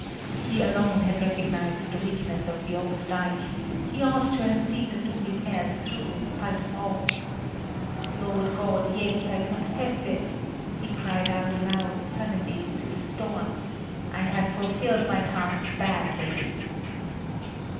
He alone had recognised the weakness of the old dike; he ought to have seen the new repairs through in spite of all. "Lord God, yes, I confess it," he cried out aloud suddenly into the storm: "I have fulfilled my task badly."